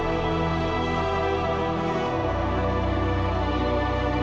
kamu takut kehilangan suara kamu